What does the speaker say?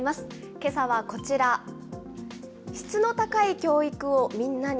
けさはこちら、質の高い教育をみんなに。